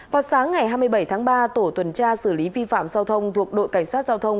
vào sáng ngày hai mươi bảy tháng ba tổ tuần tra xử lý vi phạm giao thông thuộc đội cảnh sát giao thông